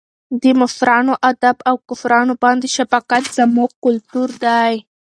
د مشرانو ادب او کشرانو باندې شفقت زموږ کلتور دی.